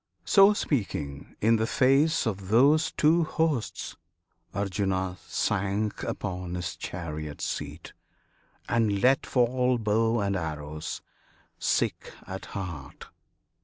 So speaking, in the face of those two hosts, Arjuna sank upon his chariot seat, And let fall bow and arrows, sick at heart.